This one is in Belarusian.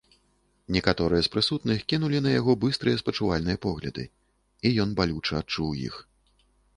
Некаторыя з прысутных кінулі на яго быстрыя спачувальныя погляды, і ён балюча адчуў іх.